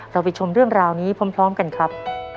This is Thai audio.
เราไปชมเรื่องราวนี้พร้อมกันครับ